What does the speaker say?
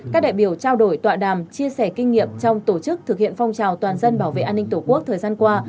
các đại biểu trao đổi tọa đàm chia sẻ kinh nghiệm trong tổ chức thực hiện phong trào toàn dân bảo vệ an ninh tổ quốc thời gian qua